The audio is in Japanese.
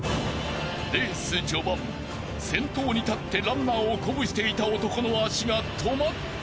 ［レース序盤先頭に立ってランナーを鼓舞していた男の足が止まった］